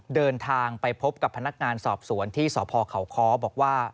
เดินทางไปพบกับพนักงานสอบสวนที่สพเขาค้อบอกว่า